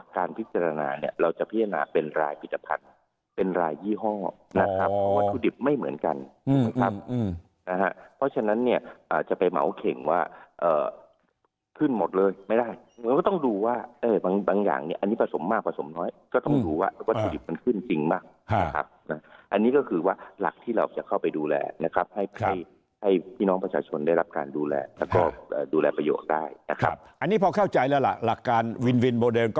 การพิจารณาเนี่ยเราจะพิจารณาเป็นรายผิดผัดเป็นรายยี่ห้อนะครับวัตถุดิบไม่เหมือนกันนะครับเพราะฉะนั้นเนี่ยจะไปเหมาเข่งว่าขึ้นหมดเลยไม่ได้ก็ต้องดูว่าบางอย่างเนี่ยอันนี้ผสมมากผสมน้อยก็ต้องดูว่าวัตถุดิบมันขึ้นจริงมากนะครับอันนี้ก็คือว่าหลักที่เราจะเข้าไปดูแลนะครับให้พี่น้องประชาชนได้รับการด